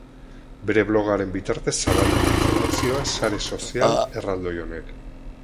Bere blogaren bitartez zabaldu du informazioa sare sozial erraldoi honek.